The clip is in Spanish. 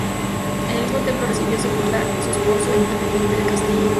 En el mismo templo recibió sepultura su esposo, el infante Felipe de Castilla.